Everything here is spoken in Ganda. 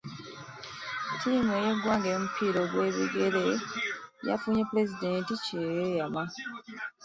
Ttiimu y'eggwanga ey'omupiira ogw'ebigere yafunye pulezidenti kye yeeyama.